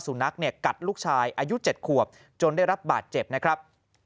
สูญนักกัดลูกชายอายุ๗ควบจนได้รับบาดเจ็บนะครับ